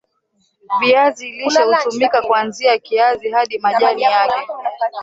Viazi lishe hutumika kwanzia kiazi hadi majani yake